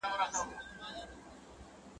په غم پسي ښادي ده.